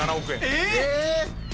えっ！？